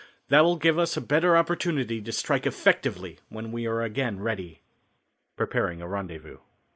That will give us a better opportunity to strike effectively when we are again ready." Preparing a Rendezvous.